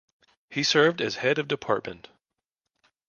He served as Head of Department.